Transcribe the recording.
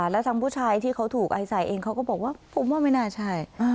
แล้วทางผู้ชายที่เขาถูกไอใส่เองเขาก็บอกว่าผมว่าไม่น่าใช่